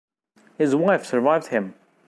His wife survived him.